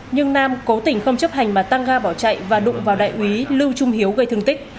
nhưng nam cố tình không chấp hành mà tăng ga bảo chạy và đụng vào đại quý lưu trung hiếu gây thương tích